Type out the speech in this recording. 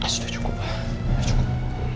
sudah cukup pak sudah cukup